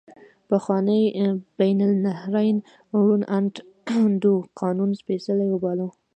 پخواني بین النهرین روڼ اندو قانون سپیڅلی وباله.